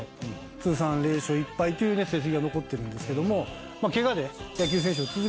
通算０勝１敗という成績が残ってるんですけども。